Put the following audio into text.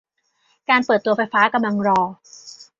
การเปิดตัวไฟฟ้ากำลังรอ